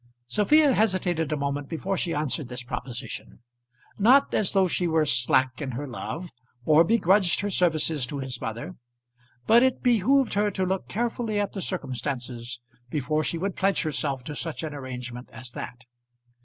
Sophia hesitated a moment before she answered this proposition, not as though she were slack in her love, or begrudged her services to his mother; but it behoved her to look carefully at the circumstances before she would pledge herself to such an arrangement as that.